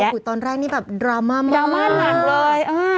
แต่ว่าขูตอนแรกนี่แบบดราม่ามากเลยค่ะดราม่ามากเลย